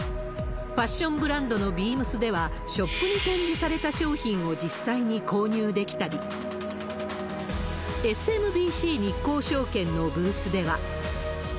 ファッションブランドのビームスでは、ショップに展示された商品を実際に購入できたり、ＳＭＢＣ日興証券のブースでは。